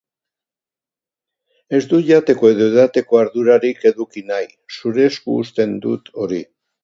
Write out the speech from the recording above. Ez dut jateko edo edateko ardurarik eduki nahi, zure esku uzten dut hori.